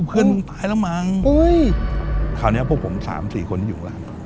เพื่อนมึงตายแล้วมั้งอุ้ยคราวเนี้ยพวกผมสามสี่คนที่อยู่ข้างหลัง